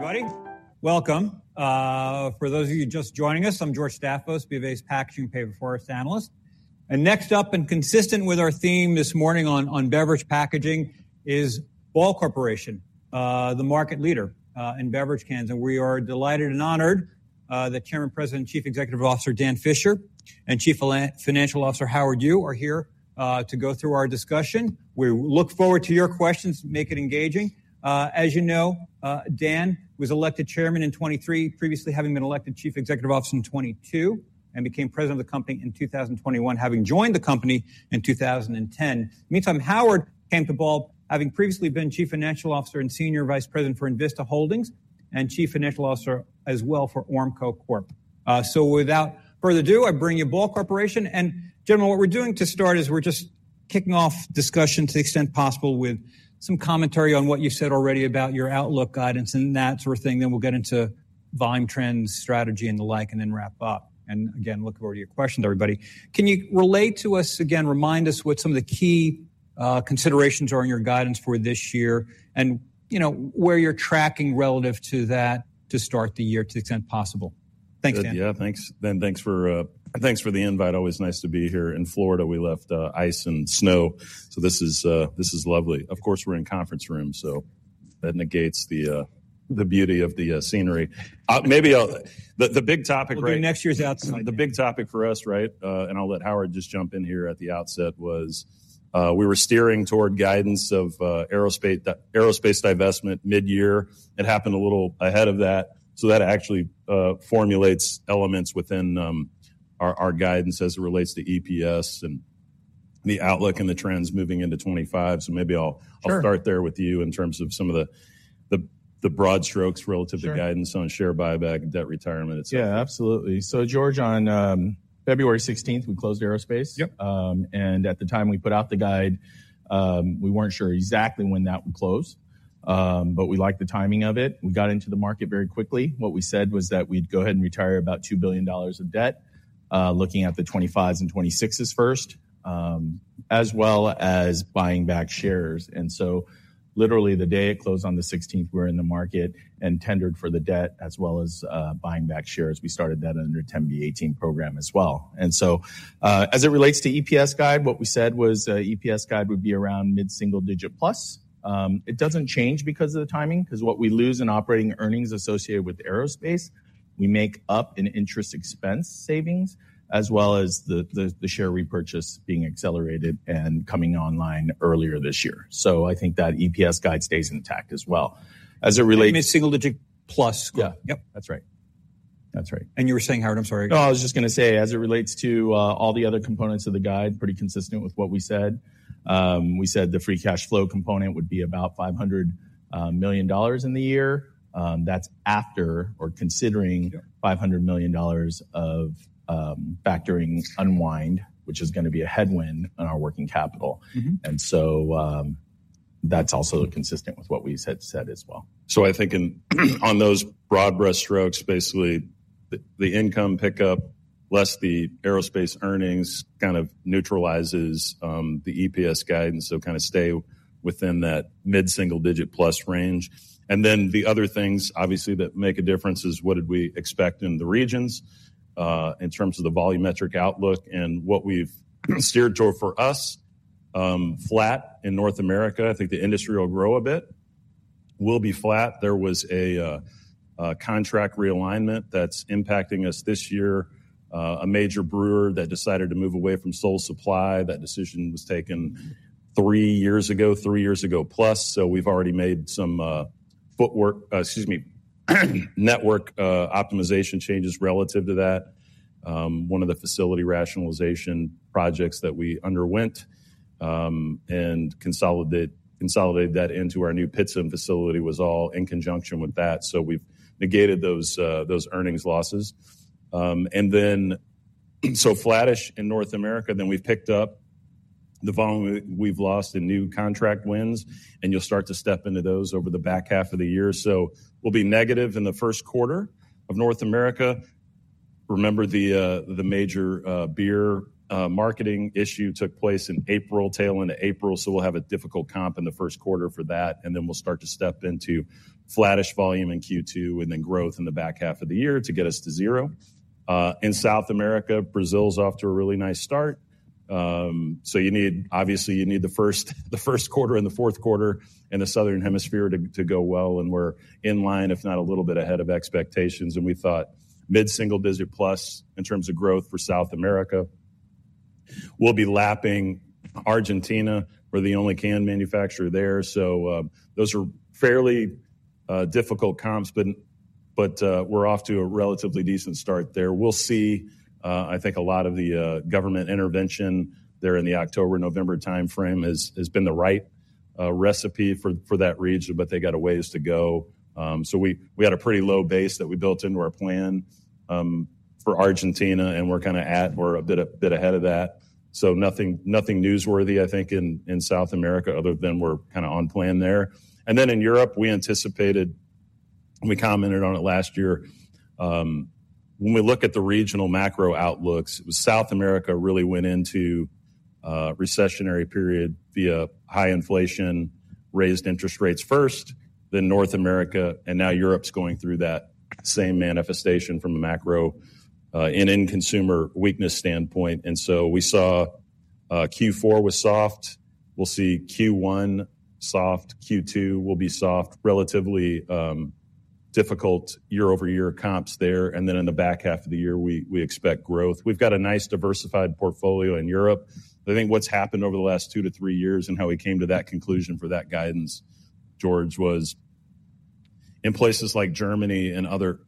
Everybody, welcome. For those of you just joining us, I'm George Staphos, BofA's Packaging and Paper Forest Analyst. Next up, and consistent with our theme this morning on beverage packaging, is Ball Corporation, the market leader in beverage cans. We are delighted and honored that Chairman, President, and Chief Executive Officer Dan Fisher, and Chief Financial Officer Howard Yu are here to go through our discussion. We look forward to your questions, make it engaging. As you know, Dan was elected chairman in 2023, previously having been elected Chief Executive Officer in 2022, and became president of the company in 2021, having joined the company in 2010. Meantime, Howard came to Ball, having previously been Chief Financial Officer and Senior Vice President for Envista Holdings, and Chief Financial Officer as well for Ormco Corp. So without further ado, I bring you Ball Corporation. And gentlemen, what we're doing to start is we're just kicking off discussion to the extent possible with some commentary on what you said already about your outlook, guidance, and that sort of thing. Then we'll get into volume trends, strategy, and the like, and then wrap up. And again, look forward to your questions, everybody. Can you relate to us again, remind us what some of the key considerations are in your guidance for this year, and you know, where you're tracking relative to that to start the year, to the extent possible? Thanks, Dan. Yeah, thanks. Dan, thanks for, thanks for the invite. Always nice to be here in Florida. We left, ice and snow, so this is, this is lovely. Of course, we're in conference room, so that negates the, the beauty of the, scenery. Maybe I'll. The, the big topic, right? We'll do next year's outside. The big topic for us, right, and I'll let Howard just jump in here at the outset, was we were steering toward guidance of aerospace, aerospace divestment mid-year. It happened a little ahead of that. So that actually formulates elements within our, our guidance as it relates to EPS and the outlook and the trends moving into 2025. So maybe I'll- Sure ...I'll start there with you in terms of some of the broad strokes relative- Sure... to guidance on share buyback and debt retirement, et cetera. Yeah, absolutely. So George, on February 16, we closed Aerospace. Yep. And at the time we put out the guide, we weren't sure exactly when that would close, but we liked the timing of it. We got into the market very quickly. What we said was that we'd go ahead and retire about $2 billion of debt, looking at the 25s and 26s first, as well as buying back shares. So literally, the day it closed on the 16th, we were in the market and tendered for the debt, as well as buying back shares. We started that under 10b-18 program as well. So, as it relates to EPS guide, what we said was, EPS guide would be around mid-single-digit plus. It doesn't change because of the timing, 'cause what we lose in operating earnings associated with aerospace, we make up in interest expense savings, as well as the share repurchase being accelerated and coming online earlier this year. So I think that EPS guide stays intact as well. As it relates- Mid-single-digit plus. Yeah. Yep. That's right. That's right. You were saying, Howard, I'm sorry. No, I was just gonna say, as it relates to, all the other components of the guide, pretty consistent with what we said. We said the free cash flow component would be about $500 million in the year. That's after or considering- Yep... $500 million of factoring unwind, which is gonna be a headwind on our working capital. Mm-hmm. That's also consistent with what we said as well. So I think in on those broad brushstrokes, basically, the income pickup, less the aerospace earnings, kind of neutralizes the EPS guidance, so kind of stay within that mid-single digit plus range. Then the other things, obviously, that make a difference is what did we expect in the regions in terms of the volumetric outlook and what we've steered toward for us. Flat in North America, I think the industry will grow a bit. We'll be flat. There was a contract realignment that's impacting us this year, a major brewer that decided to move away from sole supply. That decision was taken three years ago plus, so we've already made some network optimization changes relative to that. One of the facility rationalization projects that we underwent, and consolidated that into our new Pittston facility was all in conjunction with that, so we've negated those earnings losses. And then, so flattish in North America, then we've picked up the volume we've lost in new contract wins, and you'll start to step into those over the back half of the year. So we'll be negative in the first quarter of North America. Remember, the major beer marketing issue took place in April, tail end of April, so we'll have a difficult comp in the first quarter for that, and then we'll start to step into flattish volume in Q2, and then growth in the back half of the year to get us to zero. In South America, Brazil is off to a really nice start. So you need obviously, you need the first quarter and the fourth quarter in the Southern Hemisphere to go well, and we're in line, if not a little bit ahead of expectations, and we thought mid-single-digit plus in terms of growth for South America. We'll be lapping Argentina. We're the only can manufacturer there, so those are fairly difficult comps, but we're off to a relatively decent start there. We'll see. I think a lot of the government intervention there in the October-November timeframe has been the right recipe for that region, but they got a ways to go. So we had a pretty low base that we built into our plan for Argentina, and we're kinda at or a bit ahead of that. So nothing, nothing newsworthy, I think, in South America, other than we're kinda on plan there. And then in Europe, we anticipated, we commented on it last year, when we look at the regional macro outlooks, South America really went into recessionary period via high inflation, raised interest rates first, then North America, and now Europe's going through that same manifestation from a macro, and end consumer weakness standpoint. And so we saw, Q4 was soft. We'll see Q1 soft, Q2 will be soft, relatively, difficult year-over-year comps there, and then in the back half of the year, we expect growth. We've got a nice, diversified portfolio in Europe. I think what's happened over the last 2-3 years and how we came to that conclusion for that guidance, George, was in places like Germany and other.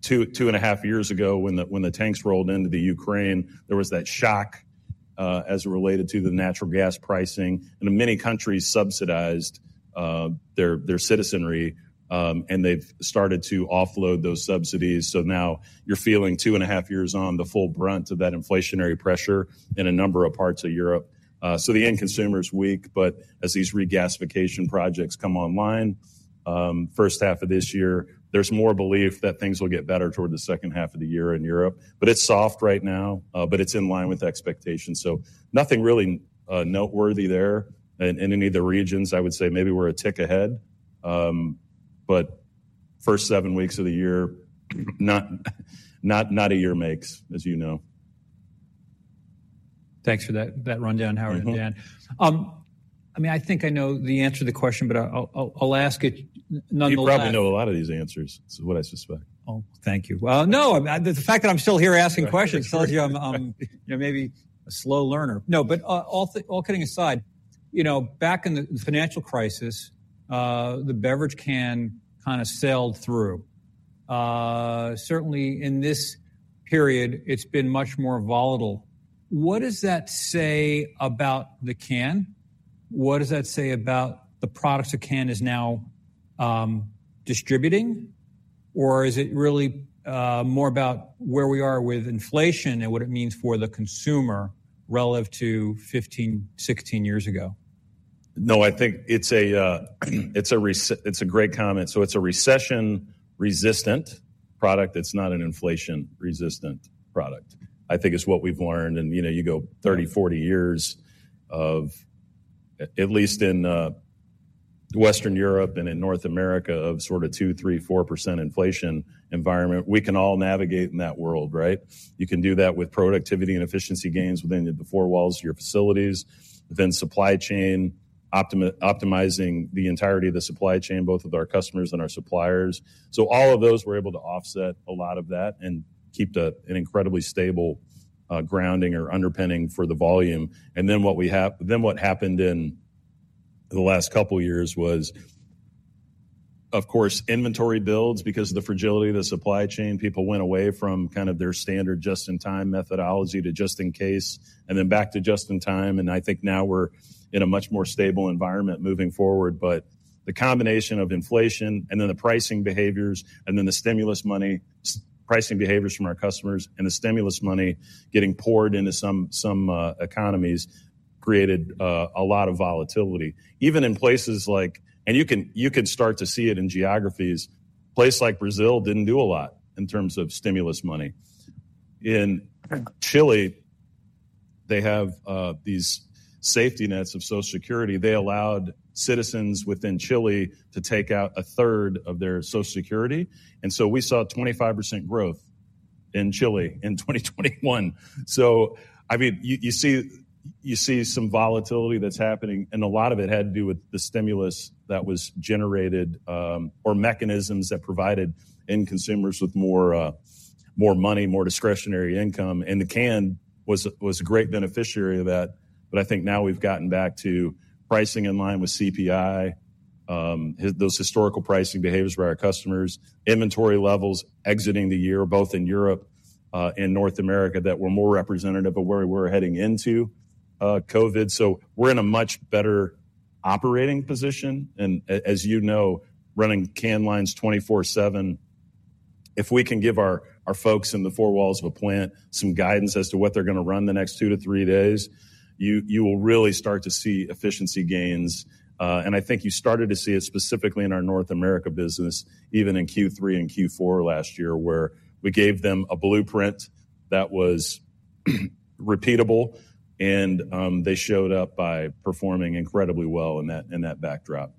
Two, 2.5 years ago, when the tanks rolled into the Ukraine, there was that shock as it related to the natural gas pricing, and many countries subsidized their citizenry, and they've started to offload those subsidies. So now you're feeling 2.5 years on the full brunt of that inflationary pressure in a number of parts of Europe. So the end consumer is weak, but as these regasification projects come online, first half of this year, there's more belief that things will get better toward the second half of the year in Europe. But it's soft right now, but it's in line with expectations. So nothing really noteworthy there in any of the regions. I would say maybe we're a tick ahead, but first seven weeks of the year, not a year makes, as you know. Thanks for that, that rundown, Howard, again. Mm-hmm. I mean, I think I know the answer to the question, but I'll ask it nonetheless. You probably know a lot of these answers, is what I suspect. Oh, thank you. Well, no, the fact that I'm still here asking questions tells you I'm maybe a slow learner. No, but all kidding aside, you know, back in the financial crisis, the beverage can kind of sailed through. Certainly, in this period, it's been much more volatile. What does that say about the can? What does that say about the products the can is now distributing? Or is it really more about where we are with inflation and what it means for the consumer relative to 15-16 years ago? No, I think it's a great comment. So it's a recession-resistant product, it's not an inflation-resistant product. I think it's what we've learned, and, you know, you go 30-40 years of, at least in Western Europe and in North America, of sort of 2, 3, 4% inflation environment, we can all navigate in that world, right? You can do that with productivity and efficiency gains within the four walls of your facilities, then supply chain, optimizing the entirety of the supply chain, both with our customers and our suppliers. So all of those were able to offset a lot of that and keep an incredibly stable grounding or underpinning for the volume. Then what happened in the last couple of years was, of course, inventory builds, because of the fragility of the supply chain. People went away from kind of their standard just-in-time methodology to just-in-case, and then back to just-in-time, and I think now we're in a much more stable environment moving forward. But the combination of inflation and then the pricing behaviors, and then the stimulus money, pricing behaviors from our customers, and the stimulus money getting poured into some economies, created a lot of volatility. Even in places like Brazil and you can start to see it in geographies. A place like Brazil didn't do a lot in terms of stimulus money. In Chile, they have these safety nets of Social Security. They allowed citizens within Chile to take out a third of their Social Security, and so we saw 25% growth in Chile in 2021. So, I mean, you, you see, you see some volatility that's happening, and a lot of it had to do with the stimulus that was generated, or mechanisms that provided end consumers with more, more money, more discretionary income, and the can was a, was a great beneficiary of that. But I think now we've gotten back to pricing in line with CPI, those historical pricing behaviors by our customers, inventory levels exiting the year, both in Europe, and North America, that were more representative of where we were heading into, COVID. So we're in a much better operating position, and as you know, running can lines 24/7, if we can give our folks in the four walls of a plant some guidance as to what they're gonna run the next 2-3 days, you will really start to see efficiency gains. And I think you started to see it specifically in our North America business, even in Q3 and Q4 last year, where we gave them a blueprint that was repeatable, and they showed up by performing incredibly well in that backdrop.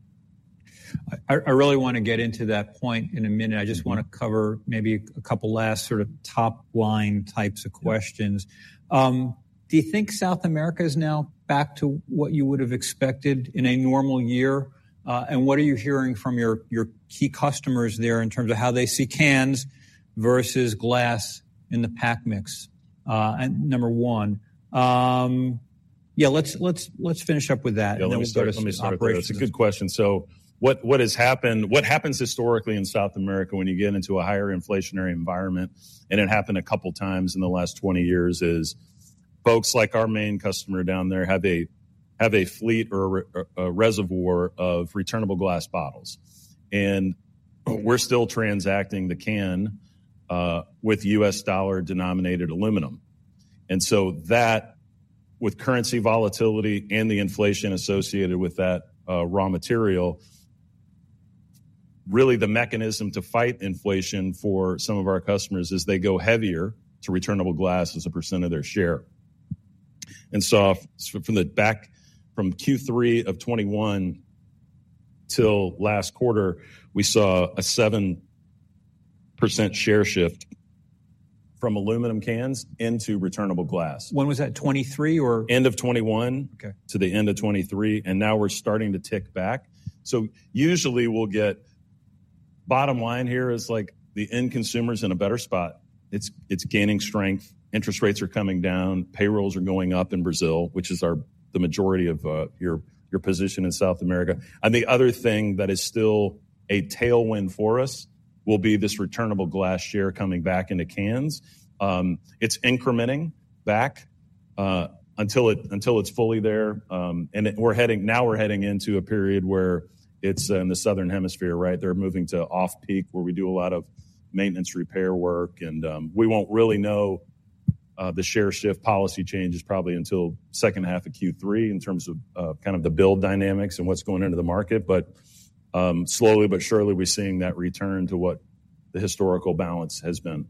I really want to get into that point in a minute. Mm-hmm. I just want to cover maybe a couple last sort of top-line types of questions. Yeah. Do you think South America is now back to what you would have expected in a normal year? And what are you hearing from your key customers there in terms of how they see cans versus glass in the pack mix? Number one. Yeah, let's finish up with that. Yeah, let me start. Then we'll start with some operations. Let me start with that. It's a good question. So what happens historically in South America when you get into a higher inflationary environment, and it happened a couple of times in the last 20 years, is, folks like our main customer down there, have a fleet or a reservoir of returnable glass bottles. And we're still transacting the can with U.S. dollar-denominated aluminum. And so that, with currency volatility and the inflation associated with that, really, the mechanism to fight inflation for some of our customers is they go heavier to returnable glass as a % of their share. And so from the back, from Q3 of 2021 till last quarter, we saw a 7% share shift from aluminum cans into returnable glass. When was that? 2023 or? End of 2021- Okay. To the end of 2023, and now we're starting to tick back. So usually we'll get bottom line here is like, the end consumer's in a better spot. It's gaining strength. Interest rates are coming down, payrolls are going up in Brazil, which is our, the majority of your position in South America. And the other thing that is still a tailwind for us will be this returnable glass share coming back into cans. It's incrementing back until it's fully there, and we're heading now we're heading into a period where it's in the Southern Hemisphere, right? They're moving to off-peak, where we do a lot of maintenance, repair work, and we won't really know the share shift policy changes probably until second half of Q3, in terms of kind of the build dynamics and what's going into the market. But slowly but surely, we're seeing that return to what the historical balance has been.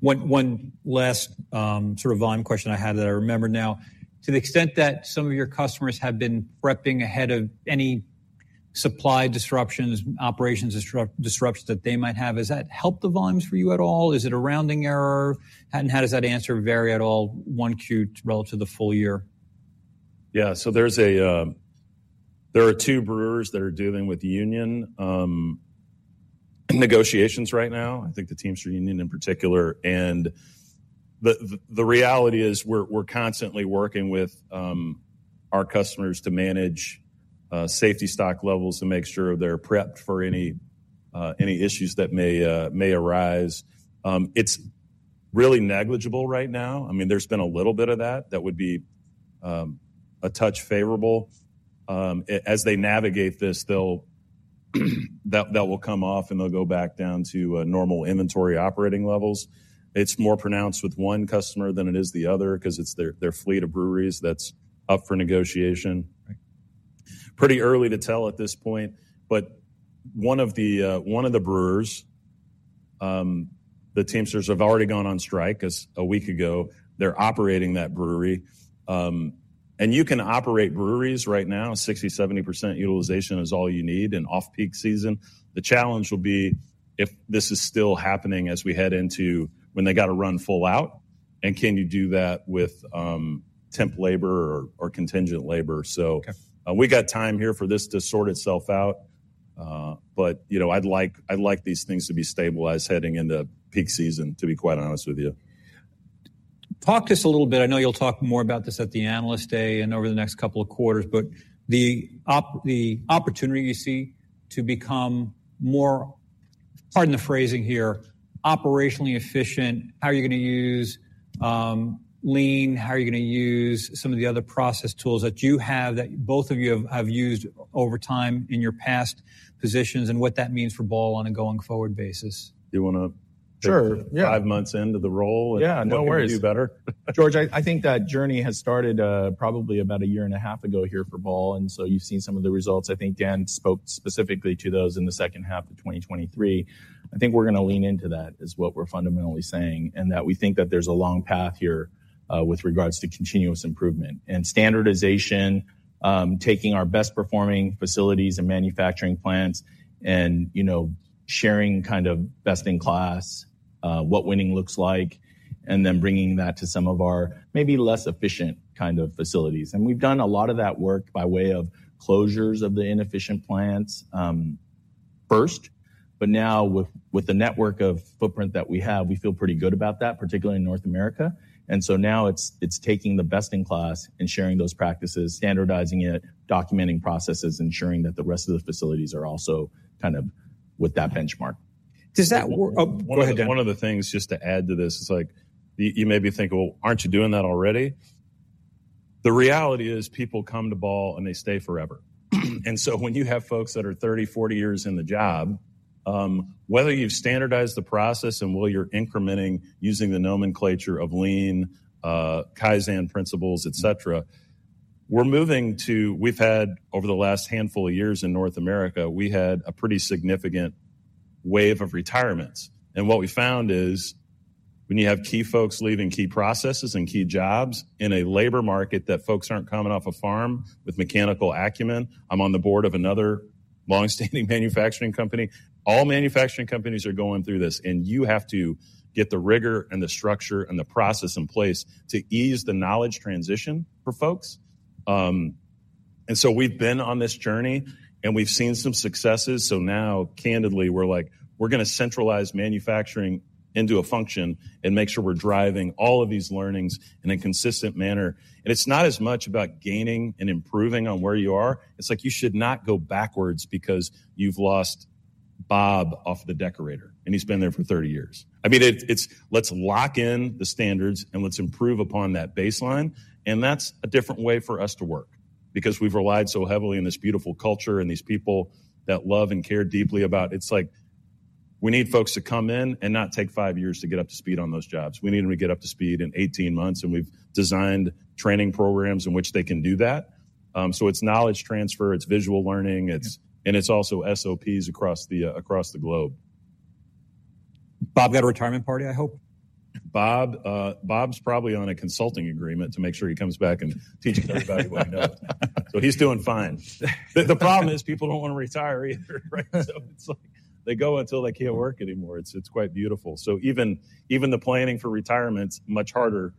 One last sort of volume question I had that I remember now. To the extent that some of your customers have been prepping ahead of any supply disruptions, operations disruptions that they might have, has that helped the volumes for you at all? Is it a rounding error? And how does that answer vary at all, Q1 relative to the full year? Yeah. So there are two brewers that are dealing with the union negotiations right now. I think the Teamsters union in particular. And the reality is, we're constantly working with our customers to manage safety stock levels and make sure they're prepped for any issues that may arise. It's really negligible right now. I mean, there's been a little bit of that. That would be a touch favorable. As they navigate this, they'll, that will come off, and they'll go back down to normal inventory operating levels. It's more pronounced with one customer than it is the other, 'cause it's their fleet of breweries that's up for negotiation. Right. Pretty early to tell at this point, but one of the brewers, the Teamsters have already gone on strike as a week ago. They're operating that brewery. And you can operate breweries right now, 60%-70% utilization is all you need in off-peak season. The challenge will be if this is still happening as we head into when they got to run full out, and can you do that with temp labor or contingent labor? So- Okay. We got time here for this to sort itself out, but, you know, I'd like, I'd like these things to be stabilized heading into peak season, to be quite honest with you. Talk to us a little bit I know you'll talk more about this at the Analyst Day and over the next couple of quarters, but the opportunity you see to become more, pardon the phrasing here, operationally efficient, how are you gonna use lean? How are you gonna use some of the other process tools that you have, that both of you have, have used over time in your past positions, and what that means for Ball on a going-forward basis? You wanna- Sure. Yeah. Five months into the role and- Yeah, no worries. What can we do better? George, I think that journey has started, probably about a year and a half ago here for Ball, and so you've seen some of the results. I think Dan spoke specifically to those in the second half of 2023. I think we're gonna lean into that, is what we're fundamentally saying, and that we think that there's a long path here, with regards to continuous improvement. And standardization, taking our best performing facilities and manufacturing plants and, you know, sharing kind of best in class, what winning looks like, and then bringing that to some of our maybe less efficient kind of facilities. And we've done a lot of that work by way of closures of the inefficient plants, first, but now with, with the network of footprint that we have, we feel pretty good about that, particularly in North America. And so now it's taking the best in class and sharing those practices, standardizing it, documenting processes, ensuring that the rest of the facilities are also kind of with that benchmark. Does that work? Oh, go ahead, Dan. One of the things, just to add to this, is like, you maybe think, Well, aren't you doing that already? The reality is, people come to Ball, and they stay forever. And so when you have folks that are 30-40 years in the job, whether you've standardized the process and whether you're incrementing using the nomenclature of Lean, Kaizen principles, et cetera, we're moving to we've had, over the last handful of years in North America, a pretty significant wave of retirements. And what we found is, when you have key folks leaving key processes and key jobs in a labor market, that folks aren't coming off a farm with mechanical acumen. I'm on the board of another long-standing manufacturing company. All manufacturing companies are going through this, and you have to get the rigor and the structure and the process in place to ease the knowledge transition for folks. And so we've been on this journey, and we've seen some successes. So now, candidly, we're like, we're gonna centralize manufacturing into a function and make sure we're driving all of these learnings in a consistent manner. And it's not as much about gaining and improving on where you are. It's like you should not go backwards because you've lost Bob off the decorator, and he's been there for 30 years. I mean, it's. Let's lock in the standards, and let's improve upon that baseline, and that's a different way for us to work because we've relied so heavily on this beautiful culture and these people that love care are deeply about, It's like. We need folks to come in and not take five years to get up to speed on those jobs. We need them to get up to speed in 18 months, and we've designed training programs in which they can do that. So it's knowledge transfer, it's visual learning, and it's also SOPs across the globe. Bob got a retirement party, I hope? Bob, Bob's probably on a consulting agreement to make sure he comes back and teaches everybody what he knows. So he's doing fine. The problem is, people don't want to retire either, right? So it's like they go until they can't work anymore. It's quite beautiful. So even the planning for retirement's much harder,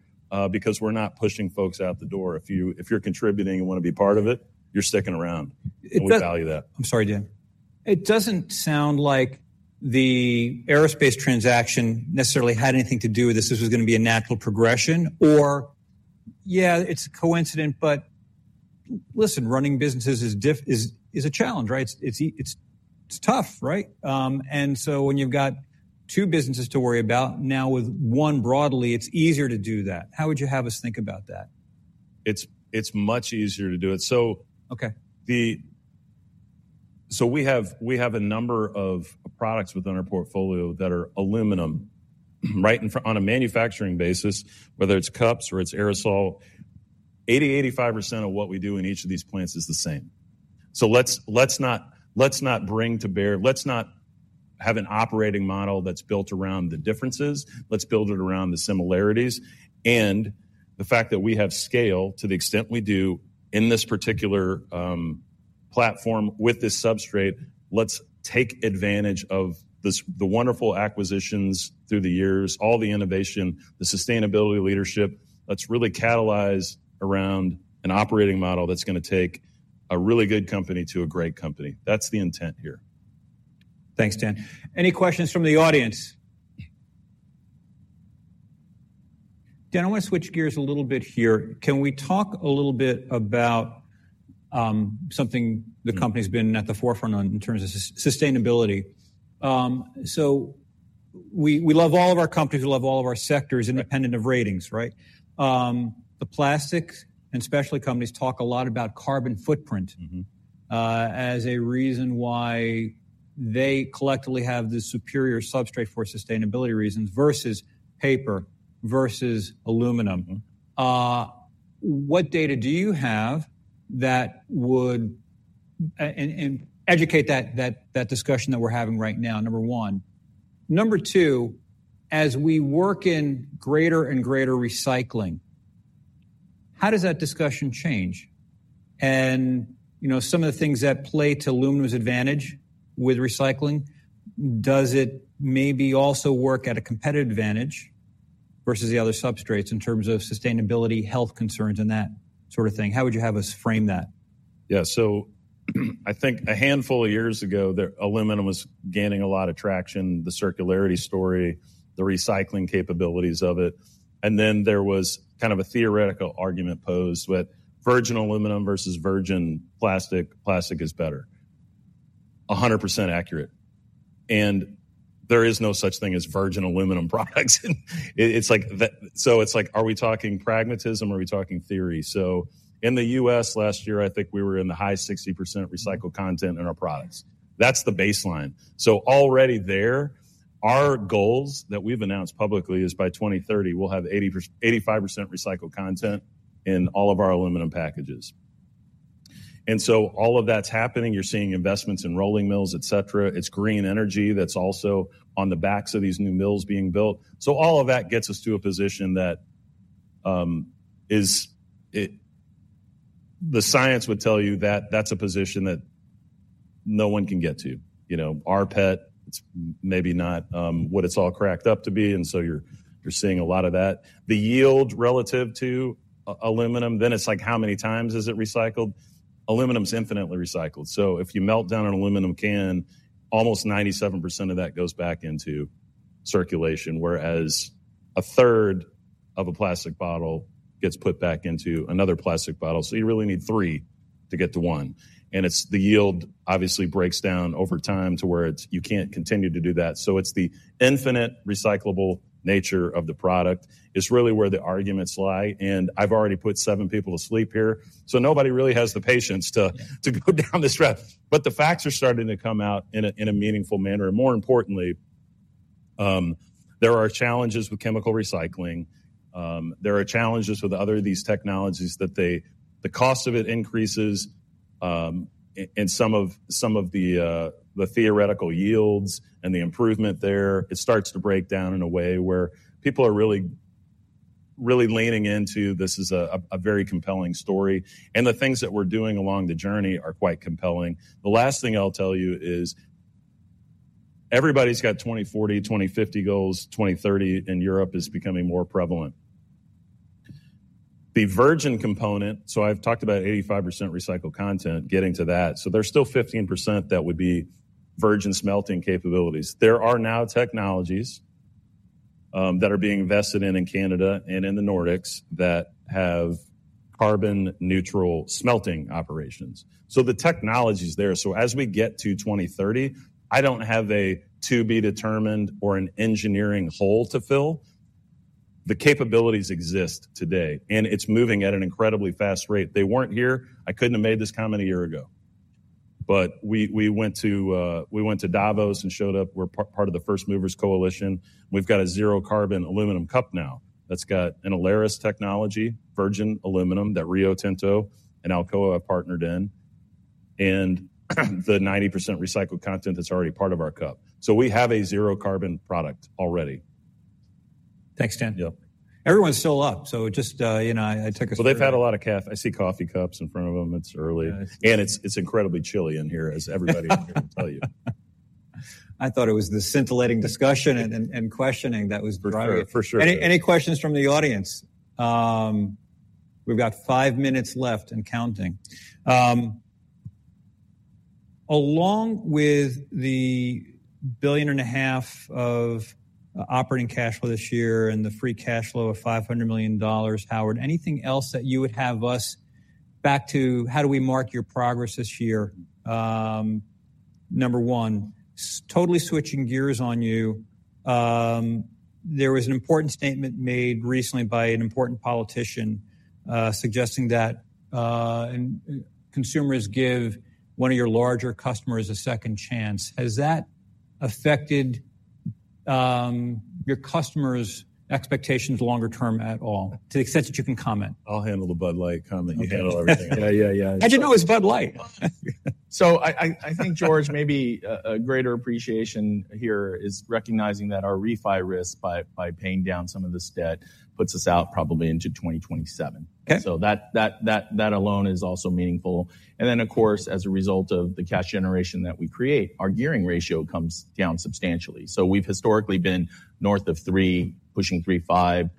because we're not pushing folks out the door. If you're contributing and want to be part of it, you're sticking around. It does- We value that. I'm sorry, Dan. It doesn't sound like the aerospace transaction necessarily had anything to do with this. This was gonna be a natural progression or, yeah, it's a coincidence, but listen, running businesses is difficult, is a challenge, right? It's, it's, it's tough, right? And so when you've got two businesses to worry about, now with one, broadly, it's easier to do that. How would you have us think about that? It's much easier to do it. So- Okay. So we have, we have a number of products within our portfolio that are aluminum, right, and for on a manufacturing basis, whether it's cups or it's aerosol, 80%-85% of what we do in each of these plants is the same. So let's, let's not, let's not bring to bear. Let's not have an operating model that's built around the differences. Let's build it around the similarities and the fact that we have scale to the extent we do in this particular platform with this substrate, let's take advantage of this, the wonderful acquisitions through the years, all the innovation, the sustainability leadership. Let's really catalyze around an operating model that's gonna take a really good company to a great company. That's the intent here. Thanks, Dan. Any questions from the audience? Dan, I want to switch gears a little bit here. Can we talk a little bit about something the company's been at the forefront on in terms of sustainability? So we, we love all of our companies, we love all of our sectors independent of ratings, right? The plastics and specialty companies talk a lot about carbon footprint as a reason why they collectively have the superior substrate for sustainability reasons versus paper, versus aluminum. What data do you have that would educate that discussion that we're having right now, number one? Number two, as we work in greater and greater recycling, how does that discussion change? And, you know, some of the things that play to aluminum's advantage with recycling, does it maybe also work at a competitive advantage versus the other substrates in terms of sustainability, health concerns, and that sort of thing? How would you have us frame that? Yeah. So, I think a handful of years ago, the aluminum was gaining a lot of traction, the circularity story, the recycling capabilities of it. And then there was kind of a theoretical argument posed with virgin aluminum versus virgin plastic. Plastic is better. 100% accurate, and there is no such thing as virgin aluminum products. It, it's like. So it's like, are we talking pragmatism or are we talking theory? So in the U.S., last year, I think we were in the high 60% recycled content in our products. That's the baseline. So already there, our goals that we've announced publicly is by 2030, we'll have 85% recycled content in all of our aluminum packages. And so all of that's happening. You're seeing investments in rolling mills, et cetera. It's green energy that's also on the backs of these new mills being built. So all of that gets us to a position that, is it the science would tell you that that's a position that no one can get to. You know, rPET, it's maybe not what it's all cracked up to be, and so you're seeing a lot of that. The yield relative to aluminum, then it's like, how many times is it recycled? Aluminum is infinitely recycled. So if you melt down an aluminum can, almost 97% of that goes back into circulation, whereas a third of a plastic bottle gets put back into another plastic bottle. So you really need three to get to one, and it's the yield obviously breaks down over time to where it's. You can't continue to do that. So it's the infinite recyclable nature of the product is really where the arguments lie, and I've already put seven people to sleep here, so nobody really has the patience to go down this route. But the facts are starting to come out in a meaningful manner. More importantly, there are challenges with chemical recycling. There are challenges with other of these technologies that they the cost of it increases, and some of the theoretical yields and the improvement there, it starts to break down in a way where people are really, really leaning into. This is a very compelling story, and the things that we're doing along the journey are quite compelling. The last thing I'll tell you is, everybody's got 2040, 2050 goals. 2030 in Europe is becoming more prevalent. The virgin component, so I've talked about 85% recycled content getting to that, so there's still 15% that would be virgin smelting capabilities. There are now technologies that are being invested in, in Canada and in the Nordics, that have carbon neutral smelting operations. So the technology's there. So as we get to 2030, I don't have a to-be-determined or an engineering hole to fill. The capabilities exist today, and it's moving at an incredibly fast rate. They weren't here. I couldn't have made this comment a year ago. But we went to Davos and showed up. We're part of the First Movers Coalition. We've got a zero-carbon aluminum cup now that's got an ELYSIS technology, virgin aluminum, that Rio Tinto and Alcoa have partnered in, and the 90% recycled content that's already part of our cup. So we have a zero-carbon product already. Thanks, Dan. Yep. Everyone's still up, so just, you know, I took a- Well, they've had a lot of caffeine. I see coffee cups in front of them. It's early, and it's, it's incredibly chilly in here, as everybody in here will tell you. I thought it was the scintillating discussion and questioning that was driving it. For sure. For sure. Any questions from the audience? We've got five minutes left and counting. Along with the $1.5 billion of operating cash flow this year and the free cash flow of $500 million, Howard, anything else that you would have us back to? How do we mark your progress this year? Number one, totally switching gears on you, there was an important statement made recently by an important politician, suggesting that, and consumers give one of your larger customers a second chance. Has that affected, your customers' expectations longer term at all, to the extent that you can comment? I'll handle the Bud Light comment. You handle everything. Yeah, yeah, yeah. How'd you know it's Bud Light? I think, George, maybe a greater appreciation here is recognizing that our refi risk by paying down some of this debt puts us out probably into 2027. Okay. So that alone is also meaningful. And then, of course, as a result of the cash generation that we create, our gearing ratio comes down substantially. So we've historically been north of 3, pushing 3.5,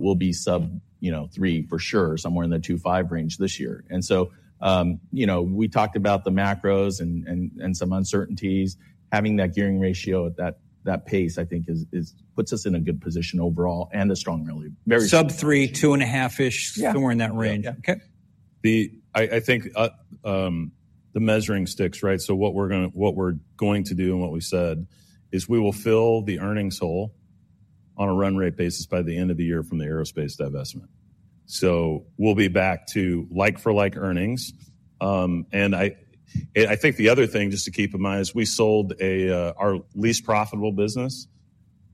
we'll be sub 3 for sure, somewhere in the 2.5 range this year. And so, you know, we talked about the macros and some uncertainties. Having that gearing ratio at that pace, I think is puts us in a good position overall and a strong really, very- Sub-3, 2.5-ish. Yeah. Somewhere in that range. Yeah. Okay. I think the measuring sticks, right? So what we're going to do and what we said is we will fill the earnings hole on a run rate basis by the end of the year from the aerospace divestment. So we'll be back to like for like earnings. And I think the other thing, just to keep in mind, is we sold our least profitable business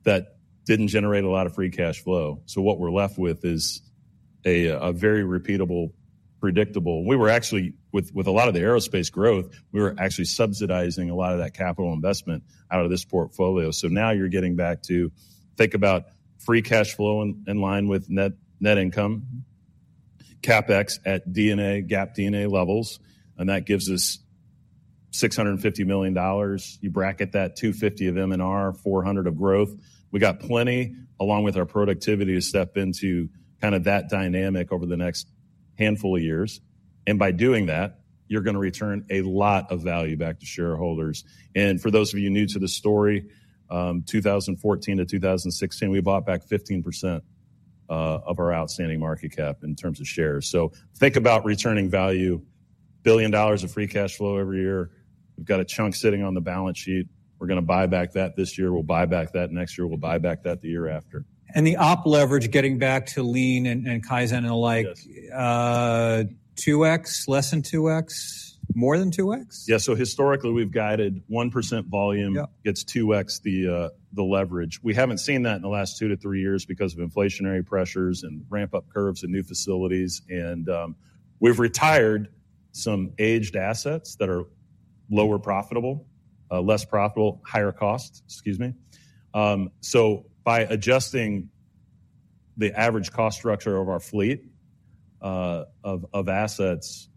that didn't generate a lot of free cash flow. So what we're left with is a very repeatable, predictable. We were actually with a lot of the aerospace growth, we were actually subsidizing a lot of that capital investment out of this portfolio. So now you're getting back to think about free cash flow in line with net income, CapEx at D&A, GAAP D&A levels, and that gives us $650 million. You bracket that $250 of M&R, $400 of growth. We got plenty, along with our productivity, to step into kind of that dynamic over the next handful of years, and by doing that, you're gonna return a lot of value back to shareholders. And for those of you new to the story, 2014 to 2016, we bought back 15% of our outstanding market cap in terms of shares. So think about returning value, $1 billion of free cash flow every year. We've got a chunk sitting on the balance sheet. We're gonna buy back that this year. We'll buy back that next year. We'll buy back that the year after. And the op leverage, getting back to Lean and Kaizen and the like- Yes. 2x, less than 2x, more than 2x? Yeah. Historically, we've guided 1% volume- Yep. gets 2x the leverage. We haven't seen that in the last 2-3 years because of inflationary pressures and ramp-up curves and new facilities, and we've retired some aged assets that are lower profitable, less profitable, higher cost, excuse me. So by adjusting the average cost structure of our fleet, of assets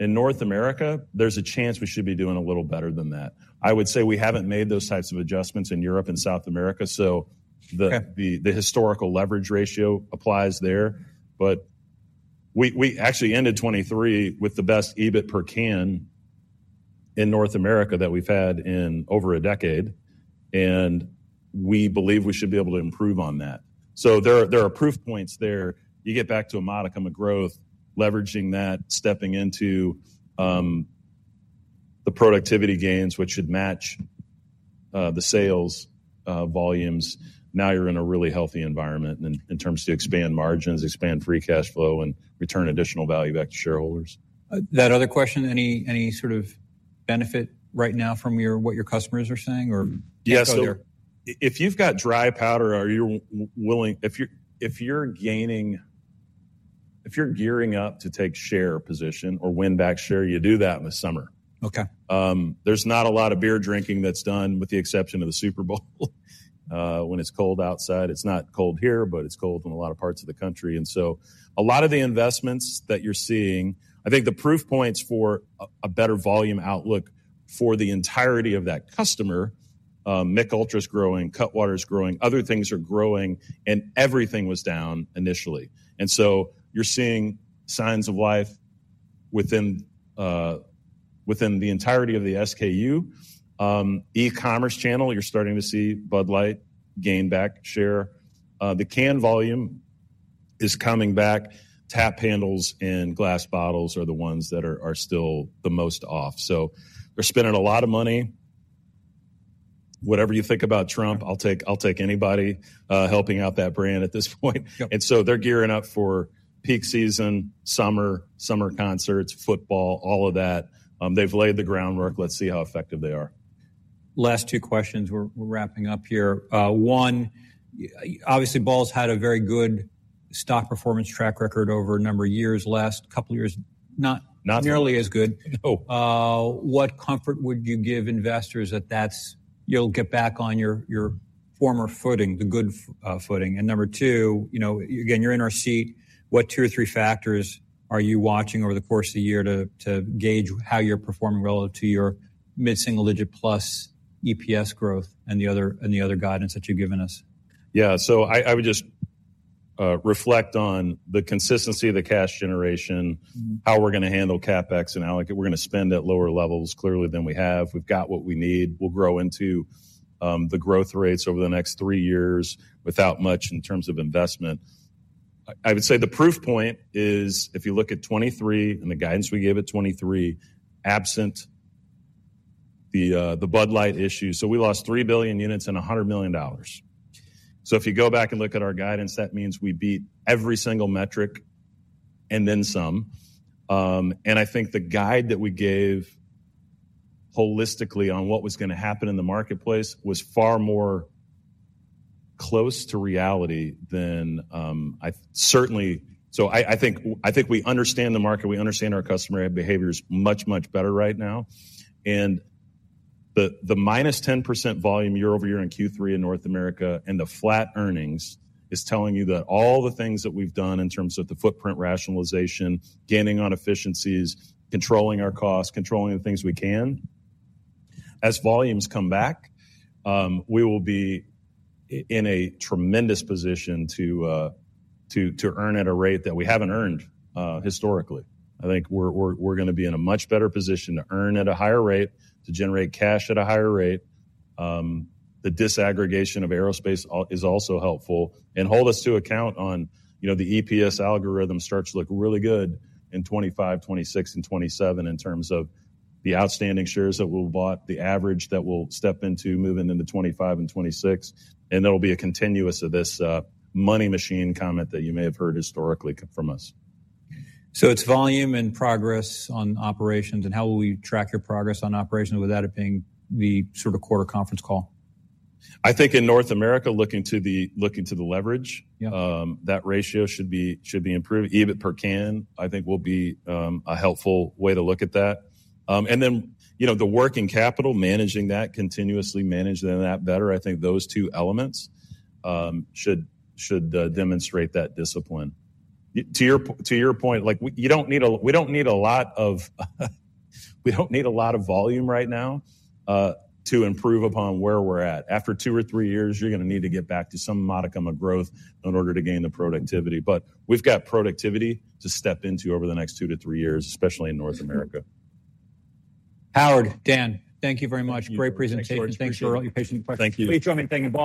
in North America, there's a chance we should be doing a little better than that. I would say we haven't made those types of adjustments in Europe and South America, so- Okay ...the historical leverage ratio applies there. But we actually ended 2023 with the best EBIT per can in North America than we've had in over a decade, and we believe we should be able to improve on that. So there are proof points there. You get back to a modicum of growth, leveraging that, stepping into the productivity gains, which should match the sales volumes. Now, you're in a really healthy environment in terms to expand margins, expand free cash flow, and return additional value back to shareholders. That other question, any sort of benefit right now from what your customers are saying or- Yeah. So if you've got dry powder or you're willing, if you're gaining, if you're gearing up to take share position or win back share, you do that in the summer. Okay. There's not a lot of beer drinking that's done, with the exception of the Super Bowl, when it's cold outside. It's not cold here, but it's cold in a lot of parts of the country. And so a lot of the investments that you're seeing, I think the proof points for a better volume outlook for the entirety of that customer. Michelob Ultra's growing, Cutwater's growing, other things are growing, and everything was down initially. And so you're seeing signs of life within the entirety of the SKU. E-commerce channel, you're starting to see Bud Light gain back share. The can volume is coming back. Tap handles and glass bottles are the ones that are still the most off. So we're spending a lot of money. Whatever you think about Trump, I'll take, I'll take anybody helping out that brand at this point. Yep. They're gearing up for peak season, summer, summer concerts, football, all of that. They've laid the groundwork. Let's see how effective they are. Last two questions. We're wrapping up here. One, obviously, Ball's had a very good stock performance track record over a number of years. Last couple of years. Not. nearly as good. No. What comfort would you give investors that that's you'll get back on your former footing, the good footing? Number two, you know, again, you're in our seat, what two or three factors are you watching over the course of the year to gauge how you're performing relative to your mid-single-digit plus EPS growth and the other guidance that you've given us? Yeah. So I would just reflect on the consistency of the cash generation- Mm-hmm. How we're gonna handle CapEx, and how, like, we're gonna spend at lower levels, clearly, than we have. We've got what we need. We'll grow into the growth rates over the next three years without much in terms of investment. I would say the proof point is, if you look at 2023 and the guidance we gave at 2023, absent the Bud Light issue. So we lost 3 billion units and $100 million. So if you go back and look at our guidance, that means we beat every single metric and then some. And I think the guide that we gave holistically on what was gonna happen in the marketplace was far more close to reality than I certainly... So I think we understand the market, we understand our customer behaviors much, much better right now. The -10% volume year-over-year in Q3 in North America, and the flat earnings is telling you that all the things that we've done in terms of the footprint rationalization, gaining on efficiencies, controlling our costs, controlling the things we can, as volumes come back, we will be in a tremendous position to earn at a rate that we haven't earned historically. I think we're gonna be in a much better position to earn at a higher rate, to generate cash at a higher rate. The disaggregation of aerospace is also helpful. Hold us to account on, you know, the EPS algorithm starts to look really good in 2025, 2026, and 2027 in terms of the outstanding shares that we've bought, the average that we'll step into moving into 2025 and 2026, and there will be a continuous of this money machine comment that you may have heard historically from us. It's volume and progress on operations, and how will we track your progress on operations without it being the sort of quarter conference call? I think in North America, looking to the leverage. Yeah. That ratio should be improved. EBIT per can, I think, will be a helpful way to look at that. And then, you know, the working capital, managing that continuously, managing that better, I think those two elements should demonstrate that discipline. To your point, like, we don't need a lot of volume right now to improve upon where we're at. After two or three years, you're gonna need to get back to some modicum of growth in order to gain the productivity. But we've got productivity to step into over the next two to three years, especially in North America. Howard, Dan, thank you very much. Great presentation. Thank you. Thanks for all your patient questions. Thank you. Please join me in thanking Ball.